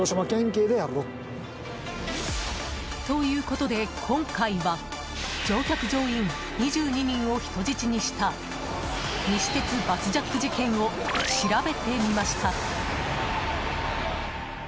ということで、今回は乗客・乗員２２人を人質にした西鉄バスジャック事件を調べてみました。